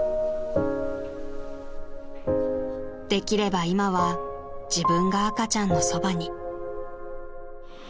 ［できれば今は自分が赤ちゃんのそばに］